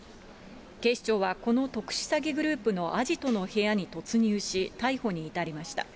警視庁はこの特殊詐欺グループのアジトの部屋に突入し、逮捕に至りました。